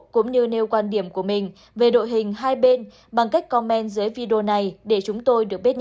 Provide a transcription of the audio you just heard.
cũng như nêu quan điểm của mình về đội hình hai bên bằng cách comment dưới video này để chúng tôi được biết